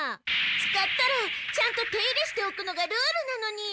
使ったらちゃんと手入れしておくのがルールなのに！